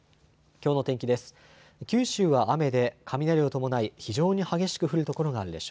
きょうの天気です。